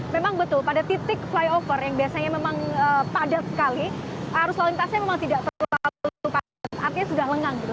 memang betul pada titik flyover yang biasanya memang padat sekali arus lalu lintasnya memang tidak terlalu padat artinya sudah lengang gitu